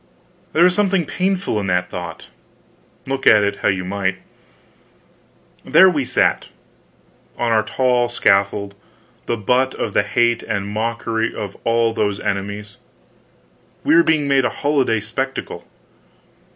There was something painful in that thought, look at it how you might. There we sat, on our tall scaffold, the butt of the hate and mockery of all those enemies. We were being made a holiday spectacle.